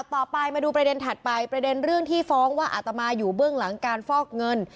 ไปดูประเด็นถัดไปประเด็นเรื่องที่ฟ้องว่าอาตมาอยู่เบื้องหลังการฟอกเงิน